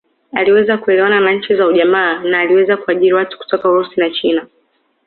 Aliweza kuelewana na nchi za ujamaa na aliweza kuajiri watu kutoka Urusi na China